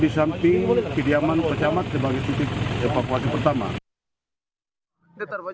ratusan warga yang diprioritaskan untuk dievakuasi yang terdampak sesuai dengan informasi yang kami terima dari pag